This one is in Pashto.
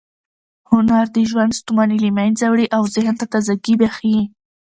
هنر د ژوند ستوماني له منځه وړي او ذهن ته تازه ګۍ بښي.